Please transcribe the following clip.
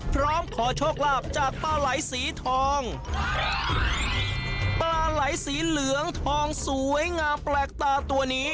พร้อมขอโชคลาภจากปลาไหลสีทองปลาไหลสีเหลืองทองสวยงามแปลกตาตัวนี้